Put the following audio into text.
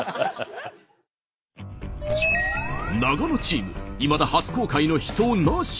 長野チームいまだ初公開の秘湯なし。